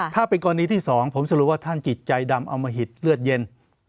ถ้าเป็นกรณีที่๒ผมสรุปว่าท่านจิตใจดำเอามาหิดเลือดเย็น